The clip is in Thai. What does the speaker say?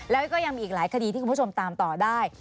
แล้วก็ยังมีอีกหลายคดีที่คุณผู้ชมตามต่อได้